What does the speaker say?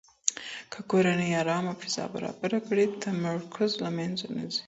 که کورنۍ ارامه فضا برابره کړي، تمرکز له منځه نه ځي.